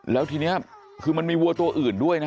แล้วทีนี้คือมันมีวัวตัวอื่นด้วยนะ